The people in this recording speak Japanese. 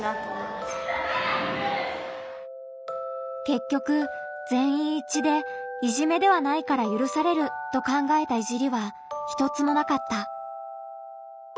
けっきょくぜんいん一致でいじめではないからゆるされると考えたいじりは一つもなかった。